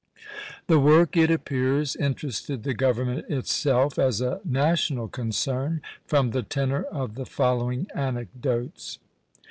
The work, it appears, interested the government itself, as a national concern, from the tenor of the following anecdotes.